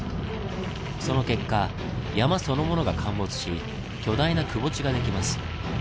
その結果山そのものが陥没し巨大なくぼ地ができます。